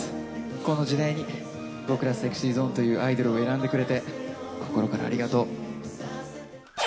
この時代に、僕らＳｅｘｙＺｏｎｅというアイドルを選んでくれて、心からありがとう。